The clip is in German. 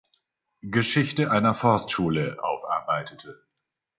Geschichte einer Forstschule" aufarbeitete.